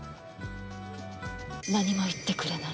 何も言ってくれない。